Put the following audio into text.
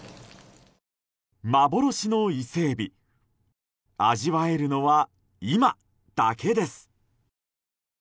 幻のイセエビ味わえるのは今だけです。